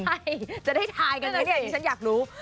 ใช่จะได้ทายกันนะเนี่ยดิฉันอยากรู้